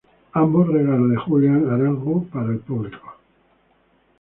Ambos regalo de Julian Arango para el público.